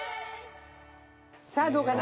さあどうかな？